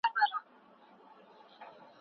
هغه چاپېريال چي مطالعې ته هڅوي ډېر ارزښت لري.